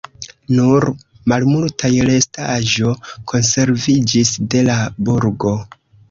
Nur malmultaj restaĵo konserviĝis de la burgo.